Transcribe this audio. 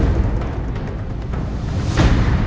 aku bosen hidup miskin kayak gini